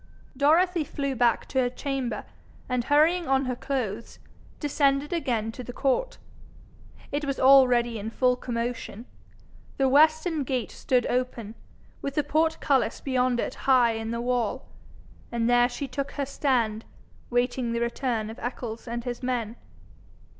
Dorothy flew back to her chamber, and hurrying on her clothes, descended again to the court. It was already in full commotion. The western gate stood open, with the portcullis beyond it high in the wall, and there she took her stand, waiting the return of Eccles and his men.